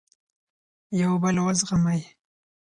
یو بل وزغمئ.